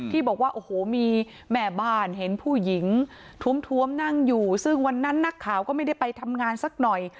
ที่บอกว่าโอ้โหมีแม่บ้านเห็นผู้หญิงท้วมนั่งอยู่ซึ่งวันนั้นนักข่าวก็ไม่ได้ไปทำงานสักหน่อย